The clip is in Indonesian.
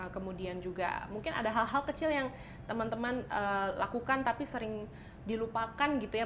kemudian juga mungkin ada hal hal kecil yang teman teman lakukan tapi sering dilupakan gitu ya